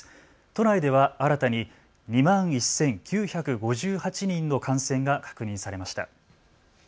都内では新たに２万１９５８人の感染が確認されました。